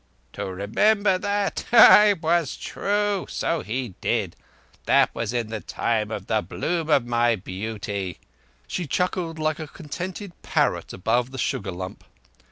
"To remember that! It was true. So he did. That was in the time of the bloom of my beauty." She chuckled like a contented parrot above the sugar lump.